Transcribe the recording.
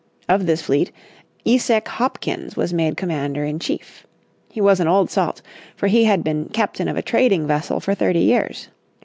Of this fleet Esek Hopkins was made commander in chief. He was an old salt, for he had been captain of a trading vessel for thirty years.